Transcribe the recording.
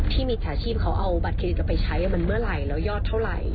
มิจฉาชีพเขาเอาบัตรเครดิตจะไปใช้มันเมื่อไหร่แล้วยอดเท่าไหร่